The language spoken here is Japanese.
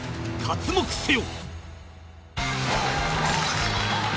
刮目せよ！